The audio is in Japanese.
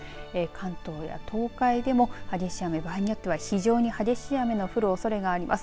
関東や東海でも激しい雨場合によっては非常に激しい雨の降るおそれがあります。